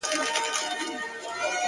شپې ته راغله انګولا د بلاګانو!!